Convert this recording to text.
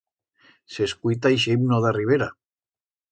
S'escuita ixe himno d'a ribera.